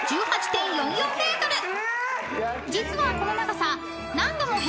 ［実はこの長さ］